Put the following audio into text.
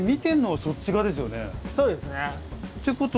そうですね。ってことは。